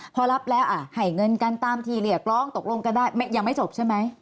พอรับแล้วให้เงินกันตามที่เรียกร้องตกลงกันได้ยังไม่จบใช่ไหม